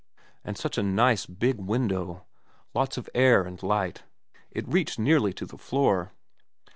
And such a nice big window. Lots of air and light. It reached nearly to the floor.